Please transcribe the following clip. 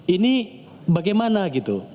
ini bagaimana gitu